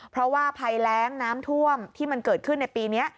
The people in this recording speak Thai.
เพราะว่าภัยแรงน้ำท่วมที่มันเกิดขึ้นในปีนี้